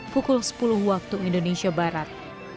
pukul sepuluh waktu indonesia barat